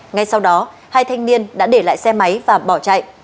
ngay sau đó hai thanh niên đã để lại xe máy và bỏ chạy